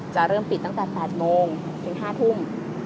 จะเริ่มปิดตั้งแต่๘โมงถึง๕ทุ่ม